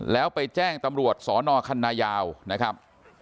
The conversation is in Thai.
แล้วไปแจ้งตำรวจสนคันนายาวนะครับ